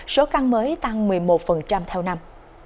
số căn mới tăng một mươi một theo năm